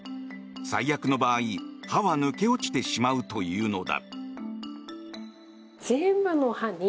最悪の場合、歯は抜け落ちてしまうというのだ。